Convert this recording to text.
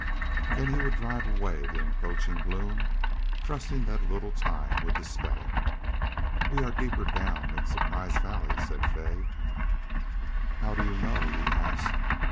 Then he would drive away the encroaching gloom, trusting that a little time would dispel it. "We are deeper down than Surprise Valley," said Fay. "How do you know?" he asked.